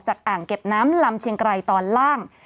อ่างเก็บน้ำลำเชียงไกรตอนล่าง